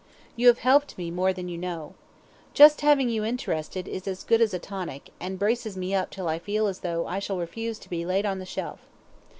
You have helped me more than you know. Just having you interested is as good as a tonic, and braces me up till I feel as though I shall refuse to be "laid on the shelf."